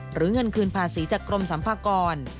หรือเงินคืนภาษีจากกรมสัมภากร